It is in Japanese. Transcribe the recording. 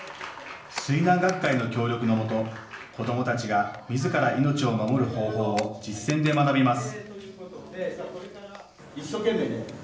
水難学会の協力のもと子どもたちがみずから命を守る方法を実践で学びます。